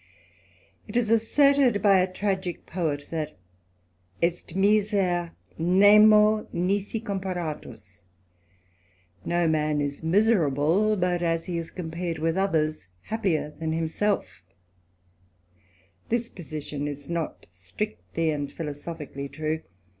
It is asserted by a tragick poet, that "est miser nemo " nisi comparatus," " no man is miserable, but as he is com " pared with others happier than himself :" this position is not strictly and philosophically true.